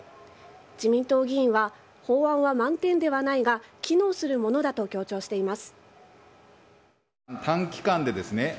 自民党議員は法案は満点ではないが機能するものだと強調しています。